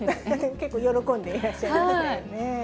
結構、喜んでらっしゃいましたよね。